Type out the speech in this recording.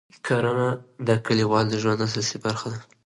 کرنه د کلیوالو د ژوند اساسي برخه ده